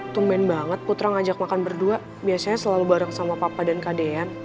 tumben banget putra ngajak makan berdua biasanya selalu bareng sama papa dan kadean